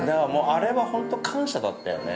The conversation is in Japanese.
◆あれは本当、感謝だったよね。